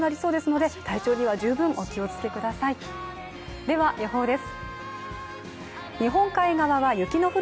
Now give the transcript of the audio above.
では、予報です。